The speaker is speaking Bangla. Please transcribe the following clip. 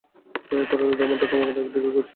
এই তরলের দ্রবনটা ক্রমাগত একদিকে ঘুরছে!